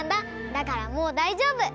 だからもうだいじょうぶ！